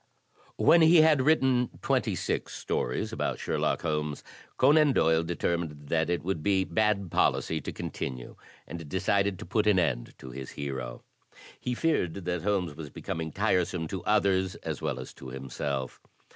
When he had written twenty six stories about Sherlock Holmes, Conan Doyle determined that it would be bad policy to continue and decided to put an end to his hero. He feared that Holmes was becoming tiresome to others as well as to himself.